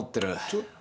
ちょっと。